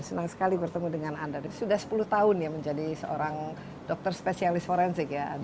senang sekali bertemu dengan anda dan sudah sepuluh tahun ya menjadi seorang dokter spesialis forensik ya